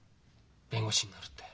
弁護士になるって。